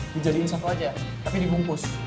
dijadiin satu aja tapi dibungkus